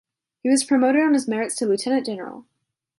He was promoted on his merits to lieutenant general.